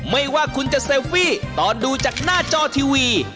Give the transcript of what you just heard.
ไม่ว่าคุณจะเซลฟี่ตอนดูจากหน้าจอทีวี